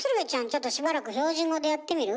ちょっとしばらく標準語でやってみる？